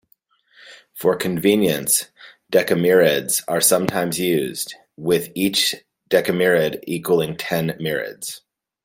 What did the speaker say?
For convenience, "decamireds" are sometimes used, with each decamired equaling ten mireds.